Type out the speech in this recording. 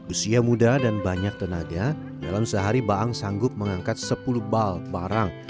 usia muda dan banyak tenaga dalam sehari baang sanggup mengangkat sepuluh bal barang